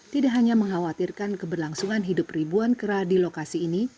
tidak hanya mengkhawatirkan keberlangsungan hidup ribuan kera di lokasi ini